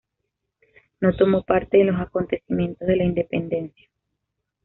No tomó parte en los acontecimientos de la independencia.